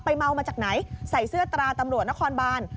เมามาจากไหนใส่เสื้อตราตำรวจนครบาน